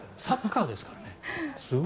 サッカーですからね。